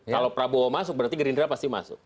kalau prabowo masuk berarti gerindra pasti masuk